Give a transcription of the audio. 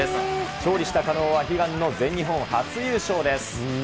勝利した加納は、悲願の全日本初優勝です。